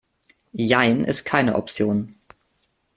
Jein ist keine Option.